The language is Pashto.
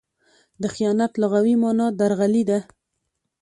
د خیانت لغوي مانا؛ درغلي ده.